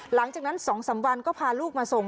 หลังจากนั้น๒๓วันก็พาลูกมาส่ง